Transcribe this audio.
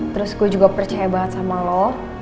terus gue juga percaya banget sama lo